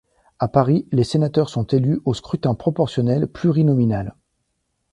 À Paris, les sénateurs sont élus au scrutin proportionnel plurinominal.